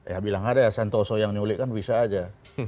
ya bilang ada santoso yang nyulik kan bisa aja